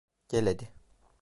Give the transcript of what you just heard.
Gel hadi.